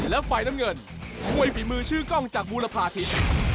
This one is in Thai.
และฝ่ายน้ำเงินมวยฝีมือชื่อกล้องจากบูรพาทิศ